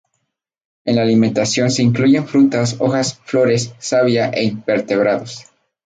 En la alimentación se incluyen frutas, hojas, flores, savia e invertebrados.